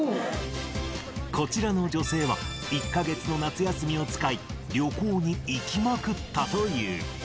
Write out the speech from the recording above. こちらの女性は、１か月の夏休みを使い、旅行に行きまくったという。